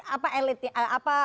apa rumor di tingkat elit